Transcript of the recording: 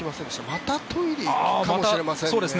またトイレに行くかもしれませんね。